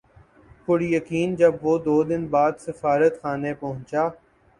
پُریقین جب وہ دو دن بعد سفارتخانے پہنچا